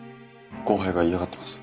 後輩が嫌がってます。